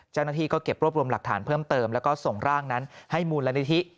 เจ้าหน้าที่ก็เก็บรวบรวมหลักฐานเพิ่มเติมแล้วก็ส่งร่างนั้นให้มูลนิธิ